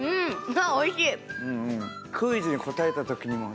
あおいしい。